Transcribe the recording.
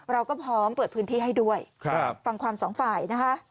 เราก็พร้อมเปิดพื้นที่ให้ด้วยฟังความสองฝ่ายนะคะ